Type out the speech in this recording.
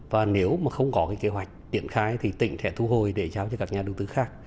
và nếu mà không có cái kế hoạch triển khai thì tỉnh sẽ thu hồi để giao cho các nhà đầu tư khác